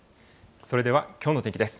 それではきょうの天気です。